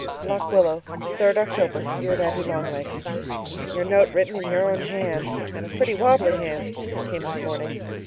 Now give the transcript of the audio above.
LOCK WILLOW, 3rd October Dear Daddy Long Legs, Your note written in your own hand and a pretty wobbly hand! came this morning.